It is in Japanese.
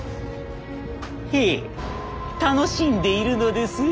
へえ楽しんでいるのですよ。